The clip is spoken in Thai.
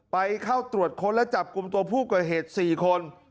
ไปเข้าตรวจค้นและจับกลุ่มตัวผู้ก่อเหตุ๔คน